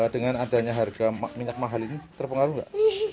dengan adanya harga minyak mahal ini terpengaruh nggak